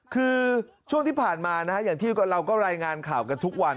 คือช่วงที่ผ่านมานะฮะอย่างที่เราก็รายงานข่าวกันทุกวัน